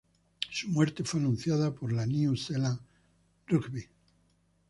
Su muerte fue anunciada por la New Zealand Rugby.